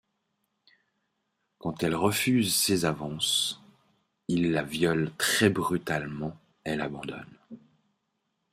Quand elle refuse ses avances, il la viole très brutalement et l'abandonne.